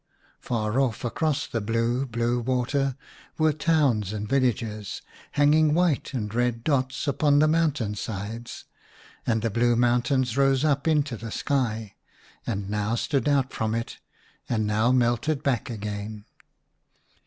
Far off, across the blue, blue water, were towns and villages, hanging white and red dots, upon the mountain sides, and the blue mountains rose up into the sky, and now stood out from it and now melted back again.